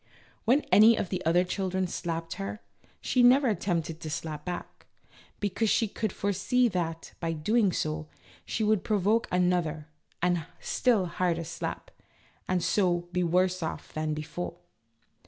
When any of the other children slapped her, she never attempted to slap back, because she could fore see that, by so doing, she would provoke another and still harder slap, and so be worse off than before.